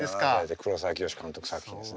黒沢清監督作品ですね。